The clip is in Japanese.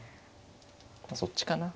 そっちかな。